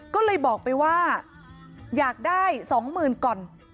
ก็เลยบอกไปว่าอยากได้๒๐๐๐ก่อน